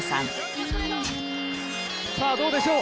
さあどうでしょう？